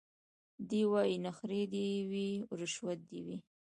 دی وايي نخرې دي وي رشوت دي وي